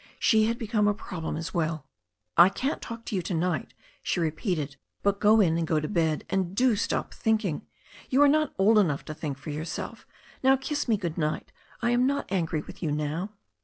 She had become a problem as welL "I can't talk to you to night," she repeated. "But go in and go to bed, and do stop thinking. You are not old enough to think for yourself. Now, kiss me good night I am not angry with you now."